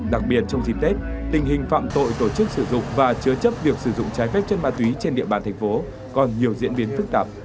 đặc biệt trong dịp tết tình hình phạm tội tổ chức sử dụng và chứa chấp việc sử dụng trái phép chất ma túy trên địa bàn thành phố còn nhiều diễn biến phức tạp